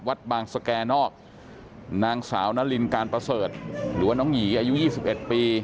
วัดบางสแก่นอกนางสาวนารินการประเสริฐหรือว่าน้องหยีอายุ๒๑ปี